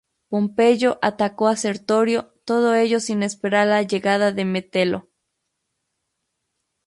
Pompeyo atacó a Sertorio, todo ello sin esperar la llegada de Metelo.